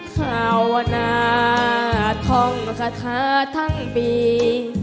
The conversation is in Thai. ข้าวนาทองคาทะทั้งปี